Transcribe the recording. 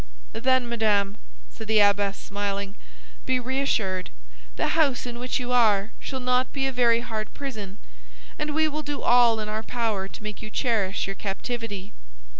"Then, madame," said the abbess, smiling, "be reassured; the house in which you are shall not be a very hard prison, and we will do all in our power to make you cherish your captivity.